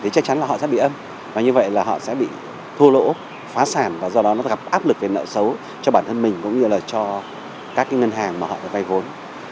chắc chắn là họ sẽ bị âm và như vậy là họ sẽ bị thua lỗ phá sản và do đó nó gặp áp lực về nợ xấu cho bản thân mình cũng như là cho các ngân hàng mà họ được vay vốn